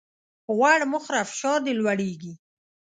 غوړ مه خوره ! فشار دي لوړېږي.